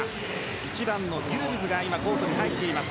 １番のギュルビュズがコートに入っています。